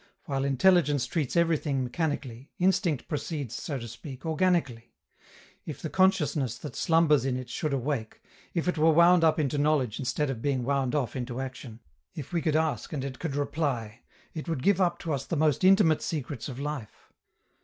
While intelligence treats everything mechanically, instinct proceeds, so to speak, organically. If the consciousness that slumbers in it should awake, if it were wound up into knowledge instead of being wound off into action, if we could ask and it could reply, it would give up to us the most intimate secrets of life.